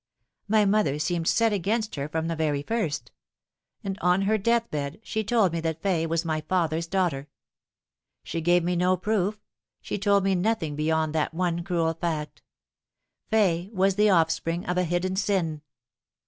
My mother seemed set against her from the very first ; and on her death bed she told me that Fay was my father's daughter. She gave me no proof she told me nothing beyond that one cruel fact. Fay was the offspring of hidden sin.